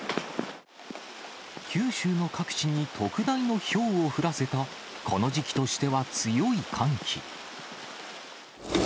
九州の各地に特大のひょうを降らせた、この時期としては強い寒気。